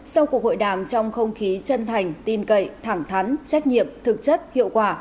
sau cuộc hội đàm trong không khí chân thành tin cậy thẳng thắn trách nhiệm thực chất hiệu quả